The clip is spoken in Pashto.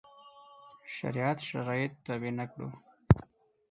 شریعت شرایط تابع نه کړو.